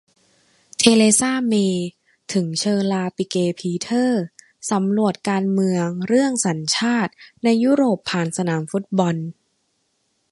เทเรซา เมย์ถึงเฌอราร์ ปิเก พีเทอร์ สำรวจการเมืองเรื่อง"สัญชาติ"ในยุโรปผ่านสนามฟุตบอล